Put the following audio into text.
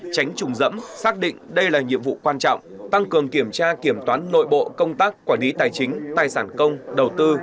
tránh trùng dẫm xác định đây là nhiệm vụ quan trọng tăng cường kiểm tra kiểm toán nội bộ công tác quản lý tài chính tài sản công đầu tư